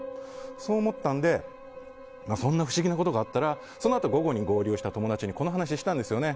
そう思ったんでそんな不思議なことがあったらそのあと午後に合流した友達にこの話をしたんですよね。